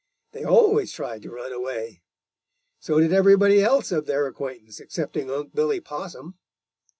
They always tried to run away. So did everybody else of their acquaintance excepting Unc' Billy Possum.